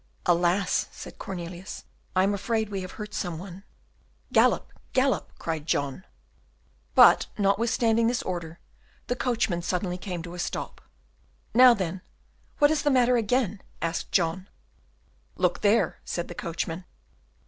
"Alas!" said Cornelius, "I am afraid we have hurt some one." "Gallop! gallop!" called John. But, notwithstanding this order, the coachman suddenly came to a stop. "Now, then, what is the matter again?" asked John. "Look there!" said the coachman.